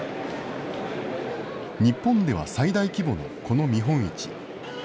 日本では最大規模のこの見本市。